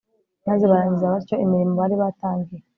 maze barangiza batyo imirimo bari batangiye